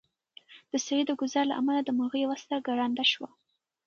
د سړي د ګوزار له امله د مرغۍ یوه سترګه ړنده شوه.